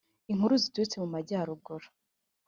inkuru ziturutse mu majyaruguru